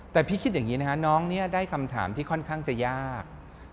แต่พี่คิดอย่างนี้นะคะน้องเนี่ยได้คำถามที่ค่อนข้างจะยาก